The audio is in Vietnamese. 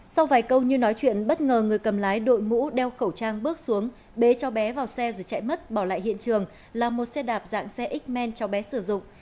sau vài câu như nói chuyện bất ngờ người cầm lái đội mũ đeo khẩu trang bước xuống bế cháu bé vào xe rồi chạy mất bỏ lại hiện trường là một xe đạp dạng xe x man cho bé sử dụng